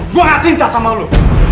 gua gak cinta sama lu